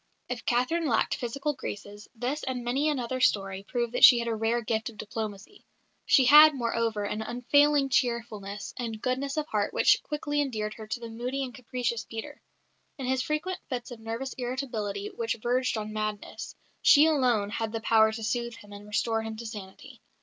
'" If Catherine lacked physical graces, this and many another story prove that she had a rare gift of diplomacy. She had, moreover, an unfailing cheerfulness and goodness of heart which quickly endeared her to the moody and capricious Peter. In his frequent fits of nervous irritability which verged on madness, she alone had the power to soothe him and restore him to sanity.